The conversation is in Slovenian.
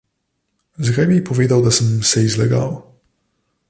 Zakaj bi ji povedal, da sem se ji zlagal?